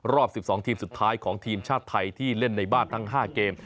รอบ๑๒ทีมสุดท้ายของทีมชาติไทยที่เล่นในบ้านทั้ง๕เกม